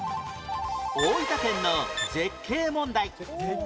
大分県の絶景問題